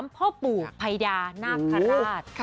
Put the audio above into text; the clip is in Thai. พ่อปู่ภัยดานาคาราช